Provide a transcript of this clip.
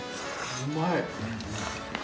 うまい。